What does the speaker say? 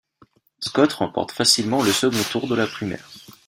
Scott remporte facilement le second tour de la primaire.